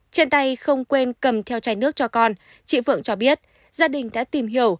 trên tay không quên cầm theo chai nước cho con chị vượng cho biết gia đình đã tìm hiểu